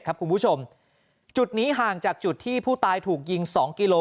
คุณผู้ชมจุดนี้ห่างจากจุดที่ผู้ตายถูกยิง๒กิโล